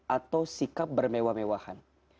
atau sikap bermewah mewahan